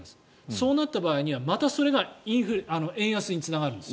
そうなった場合にはまたそれが円安につながるんです。